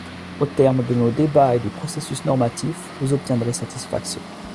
Au terme de nos débats et du processus normatif, vous obtiendrez satisfaction.